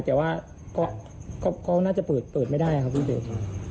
แต่ว่าก็น่าจะเปิดไม่ได้ครับพี่เดช